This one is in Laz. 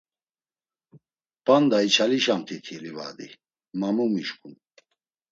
P̌anda içalişamt̆iti livadi, ma mu mişǩun…